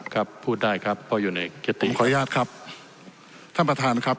ครับพูดได้ครับเพราะอยู่ในเกติขออนุญาตครับท่านประธานครับ